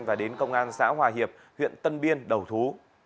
và đến công an xã hòa hiệp huyện tân biên đầu thú